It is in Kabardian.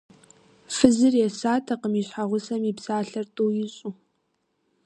Фызыр есатэкъым и щхьэгъусэм и псалъэр тӏу ищӏу.